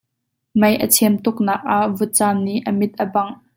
Mei a chem tuk nak ah vutcam nih a mit a bangh.